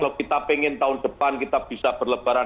kalau kita ingin tahun depan kita bisa berlebaran